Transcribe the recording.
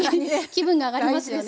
気分が上がりますよね。